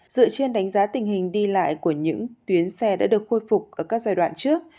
dựa trên đánh giá tình hình đi lại của những tuyến xe đã được khôi phục ở các giai đoạn trước